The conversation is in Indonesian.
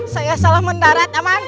saya salah mendarat aman